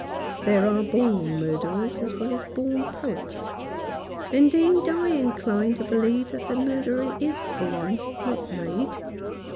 There are born murderers as well as born poets ; indeed, I incline to believe that the murderer is born, not made.